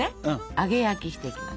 揚げ焼きしていきます。